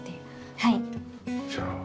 はい。